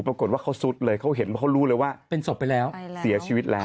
ปรากฏว่าเขาซุดเลยเขาเห็นเพราะเขารู้เลยว่าเป็นศพไปแล้วเสียชีวิตแล้ว